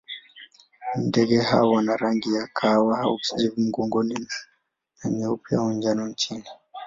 Ndege hawa wana rangi ya kahawa au kijivu mgongoni na nyeupe au njano chini.